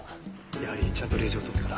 やはりちゃんと令状を取ってから。